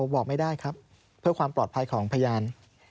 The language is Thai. บอกไม่ได้ครับเพื่อความปลอดภัยของพยาน